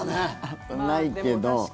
危ないけど。